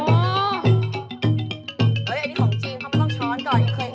อันนี่ของจริงเขาไม่ต้องช้อนก่อนยังเคยเห็น